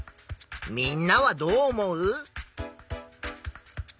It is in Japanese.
みんなはどう思う？